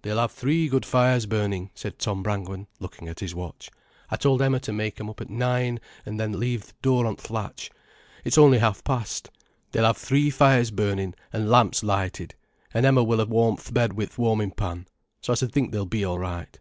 "They'll have three good fires burning," said Tom Brangwen, looking at his watch. "I told Emma to make 'em up at nine, an' then leave the door on th' latch. It's only half past. They'll have three fires burning, an' lamps lighted, an' Emma will ha' warmed th' bed wi' th' warmin' pan. So I s'd think they'll be all right."